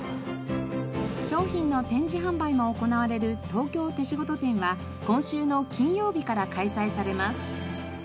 商品の展示販売も行われる東京手仕事展は今週の金曜日から開催されます。